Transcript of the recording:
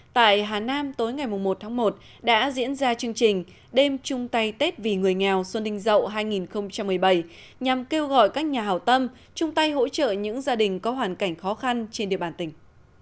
tại hà nam tối ngày một tháng một đã diễn ra chương trình đêm chung tay tết vì người nghèo xuân đình dậu hai nghìn một mươi bảy nhằm kêu gọi các nhà hảo tâm chung tay hỗ trợ những gia đình có hoàn cảnh khó khăn trên địa bàn tỉnh